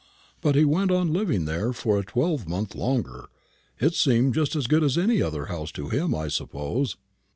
But he went on living there for a twelvemonth longer. It seemed just as good as any other house to him, I suppose."